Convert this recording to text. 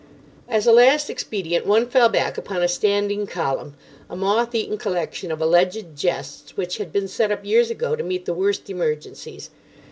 As a last expedient one fell back upon a standing column, a moth eaten collection of alleged jests which had been set up years ago to meet the worst emergencies.